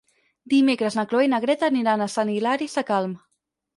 Dimecres na Cloè i na Greta aniran a Sant Hilari Sacalm.